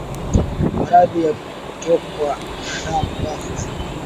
Maradhi ya kutokwa na damu ghafla